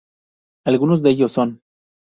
Algunos de ellos son;